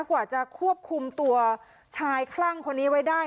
กว่าจะควบคุมตัวชายคลั่งคนนี้ไว้ได้